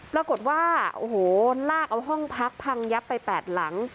ปรากฏว่าโอ้โหลากเอาห้องพักพังยับไป๘หลัง